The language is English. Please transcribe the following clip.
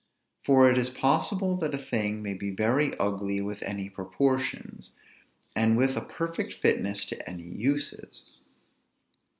For it is possible that a thing may be very ugly with any proportions, and with a perfect fitness to any uses.